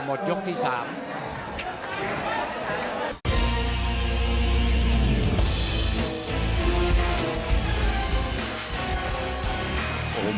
หมดยกที่สาม